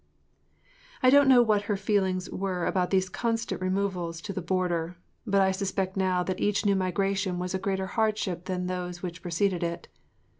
I DON’T know what her feelings were about these constant removals to the border, but I suspect now that each new migration was a greater hardship than those which preceded it.